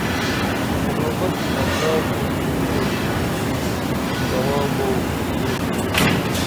محبت اللہ ݜژی نی اوتھینا ثوابو دُر بُو